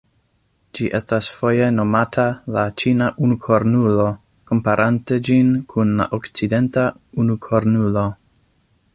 Ĝi estas foje nomata la "ĉina unukornulo", komparante ĝin kun la okcidenta unukornulo.